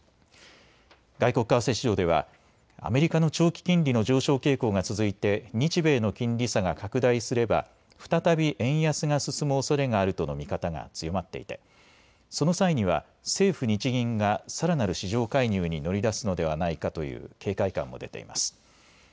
外国為替市場ではアメリカの長期金利の上昇傾向が続いて日米の金利差が拡大すれば再び円安が進むおそれがあるとの見方が強まっていてその際には政府・日銀がさらなる市場介入に乗り出すのではないかという警戒感も出ています。